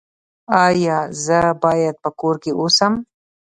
ایا زه باید په کور کې اوسم؟